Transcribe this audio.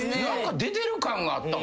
出てる感があったわ。